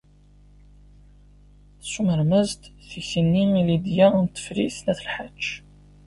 Tessumrem-as-d takti-nni i Lidya n Tifrit n At Lḥaǧ.